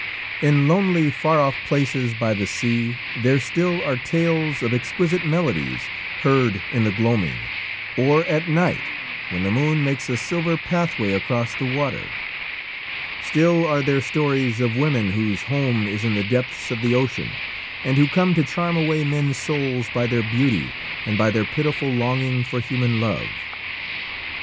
In lonely far off places by the sea there still are tales of exquisite melodies heard in the gloaming, or at night when the moon makes a silver pathway across the water; still are there stories of women whose home is in the depths of the ocean, and who come to charm away men's souls by their beauty and by their pitiful longing for human love.